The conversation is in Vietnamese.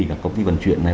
các công ty vận chuyển này